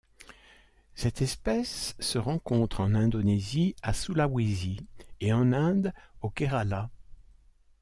Cette espèce se rencontre en Indonésie à Sulawesi et en Inde au Kerala.